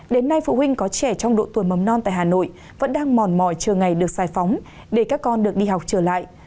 đến nay phụ huynh có trẻ trong độ tuổi mầm non tại hà nội vẫn đang mòn mỏi chờ ngày được giải phóng để các con được đi học trở lại